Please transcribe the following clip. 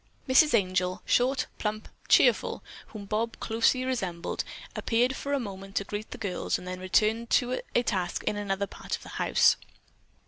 Mrs. Angel, short, plump, cheerful, whom Bob closely resembled, appeared for a moment to greet the girls and then returned to a task in another part of the house.